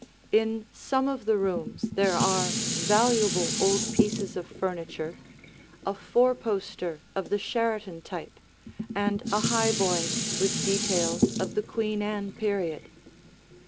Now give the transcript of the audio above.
In some of the rooms there are valuable old pieces of furniture, a four poster of the Sheraton type, and a highboy with details of the Queen Anne period.